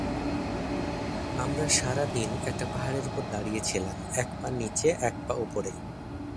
আমরা সারাদিন একটা পাহাড়ের উপর দাঁড়িয়ে ছিলাম, এক পা নিচে, এক পা উপরে।